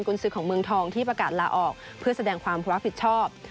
คุณซื้อของเมืองทองที่ประกาศลาออกเพื่อแสดงความรับผิดชอบ